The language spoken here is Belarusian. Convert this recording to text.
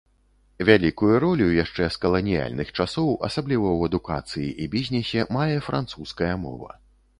Вялікую ролю яшчэ з каланіяльных часоў, асабліва ў адукацыі і бізнесе, мае французская мова.